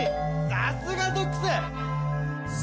さすがゾックス！